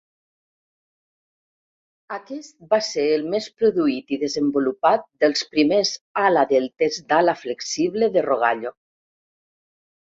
Aquest va ser el més produït i desenvolupat dels primers ala deltes d'ala flexible de Rogallo.